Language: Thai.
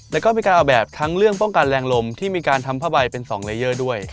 แล้วก็มีการเอาแบบทั้งเรื่องป้องกันแรงลมที่มีการทำผ้าใบเป็น๒เลเยอร์ด้วย